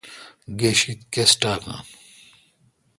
گہ شید کس ٹاکان۔